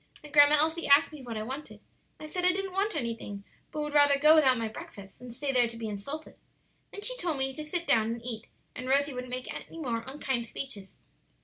Then Grandma Elsie asked me what I wanted, and I said I didn't want anything, but would rather go without my breakfast than stay there to be insulted. Then she told me to sit down and eat, and Rosie wouldn't make any more unkind speeches."